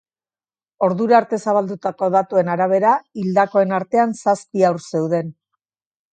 Ordura arte zabaldutako datuen arabera, hildakoen artean zazpi haur zeuden.